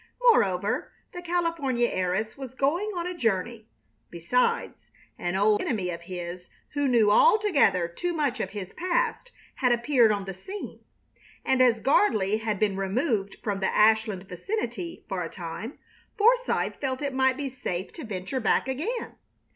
Moreover, the California heiress was going on a journey; besides, an old enemy of his who knew altogether too much of his past had appeared on the scene; and as Gardley had been removed from the Ashland vicinity for a time, Forsythe felt it might be safe to venture back again.